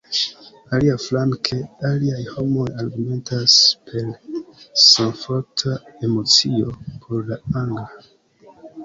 Aliaflanke, aliaj homoj argumentas, per samforta emocio, por la angla.